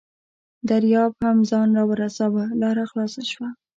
دریاب هم ځان راورساوه، لاره خلاصه شوه.